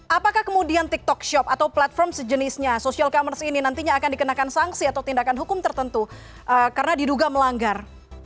apakah kemudian tiktok shop atau platform sejenisnya social commerce ini nantinya akan dikenakan sanksi atau tindakan hukum tertentu karena diduga melanggar